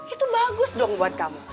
itu bagus dong buat kamu